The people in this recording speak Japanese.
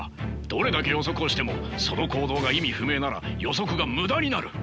どれだけ予測をしてもその行動が意味不明なら予測が無駄になる。